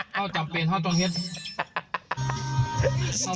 เจ้าจำเป็นเจ้าต้องเห็น